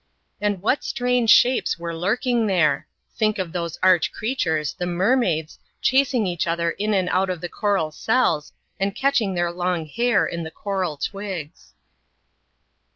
And what strange shapes were lurking there! Think of those arch creatures, the mermaids, chasing each other in. and out of the coral cells, and catching their long hair in the coial twigs.